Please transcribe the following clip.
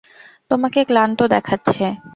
তোমাকে ক্লান্ত দেখাচ্ছে।